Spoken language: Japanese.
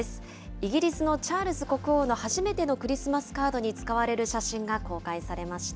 イギリスのチャールズ国王の初めてのクリスマスカードに使われる写真が公開されました。